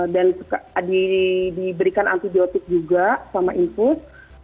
dan diberikan antibiotik juga sama infus